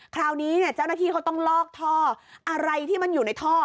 คราวนี้เนี่ยเจ้าหน้าที่เขาต้องลอกท่ออะไรที่มันอยู่ในท่อ